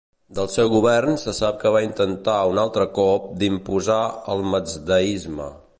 Del seu govern se sap que va intentar un altre cop d'imposar el mazdaisme.